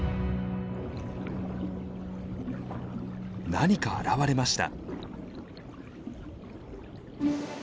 何か現れました。